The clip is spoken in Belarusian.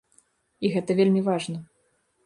І гэта вельмі важна.